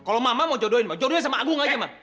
kalau mama mau judohin judohin sama aku aja pak